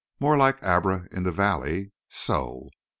"More like Abra in the valley? So!"